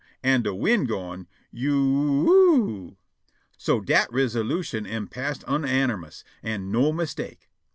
an' de wind goin', "You you o o o!" So dat risolution am passed unanermous, an' no mistake.